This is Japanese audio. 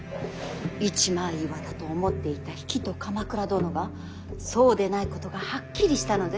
一枚岩だと思っていた比企と鎌倉殿がそうでないことがはっきりしたのです。